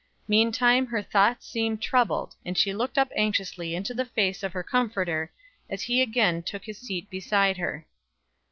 Meantime her thoughts seemed troubled, and she looked up anxiously into the face of her comforter as he again took his seat beside her.